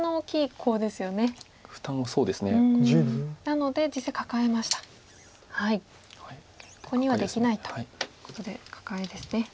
コウにはできないということでカカエですね。